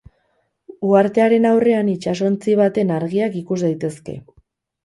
Uhartearen aurrean itsasontzi baten argiak ikus daitezke.